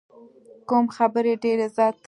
کم خبرې، ډېر عزت.